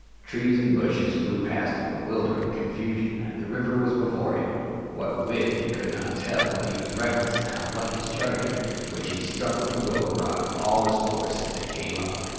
Trees and bushes flew past in bewildering confusion. The river was before him; what width, he could not tell, but he was reckless now, like his charger, which he struck with the willow rod with all his force as they came up.